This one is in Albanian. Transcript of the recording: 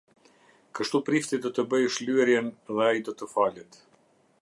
Kështu prifti do të bëjë shlyerjen dhe ai do të falet.